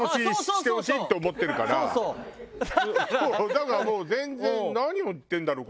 だからもう全然何を言ってるんだろう？